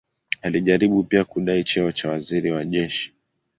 Alijaribu pia kudai cheo cha waziri wa jeshi.